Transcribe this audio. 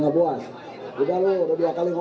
apa benar pak